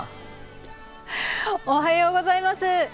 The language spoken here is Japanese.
おはようございます。